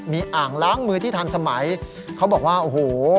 มีอ่างล้างมือที่ทันสมัยเขาบอกว่าโอ้โห